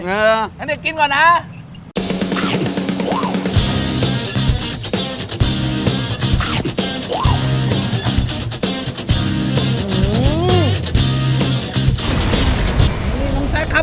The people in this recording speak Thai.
เอาล่ะนะแกินก่อนนะ